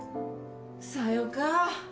さよか。